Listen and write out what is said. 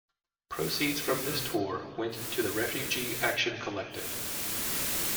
Proceeds from this tour went to the Refugee Action Collective.